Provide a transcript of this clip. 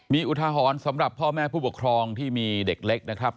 มีอุทหรณ์สำหรับพ่อแม่ผู้ปกครองที่มีเด็กเล็กนะครับ